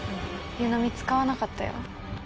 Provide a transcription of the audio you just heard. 湯飲み使わなかったね。